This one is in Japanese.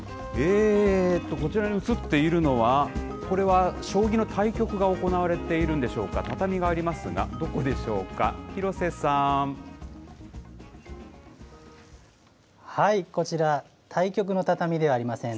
こちらに映っているのは、これは将棋の対局が行われているんでしょうか、畳がありますが、どこでこちら、対局の畳ではありません。